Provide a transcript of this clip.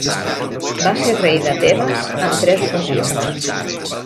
Va ser rei de Tebes en tres ocasions.